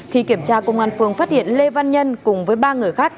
khi kiểm tra công an phường phát hiện lê văn nhân cùng với ba người khác